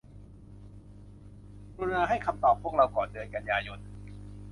กรุณาให้คำตอบพวกเราก่อนเดือนกันยายน